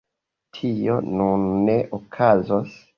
Tio nun ne okazos.